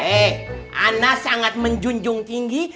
eh ana sangat menjunjung tinggi